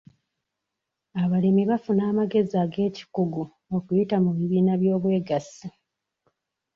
Abalimi bafuna amagezi ag'ekikugu okuyita mu bibiina by'obwegassi.